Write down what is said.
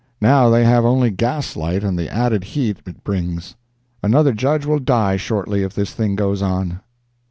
Now they have only gas light and the added heat it brings. Another Judge will die shortly if this thing goes on.